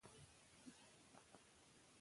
موږ به خپله وینه ضایع نه کړو.